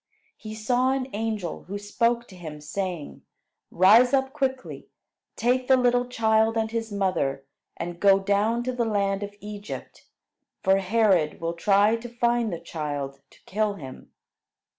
He saw an angel, who spoke to him, saying: "Rise up quickly; take the little child and his mother, and go down to the land of Egypt, for Herod will try to find the child to kill him."